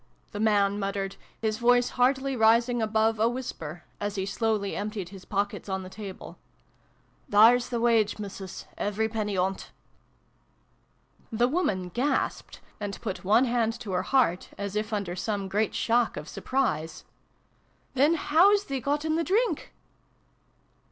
" the man muttered, his voice hardly rising above a whisper, as he slowly emptied his pockets on the table. " There's th' wage, Missus, every penny on't." The woman gasped, and put. one hand to her heart, as if under some great shock of surprise. " Then how 's thee gotten th' drink